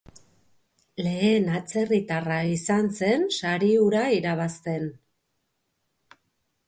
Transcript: Lehen atzerritarra izan zen sari hura irabazten.